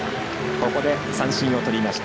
ここで三振をとりました。